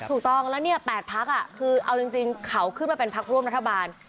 ถูกต้องแล้วเนี่ย๘พักคือเอาจริงเขาขึ้นมาเป็นพักร่วมรัฐบาล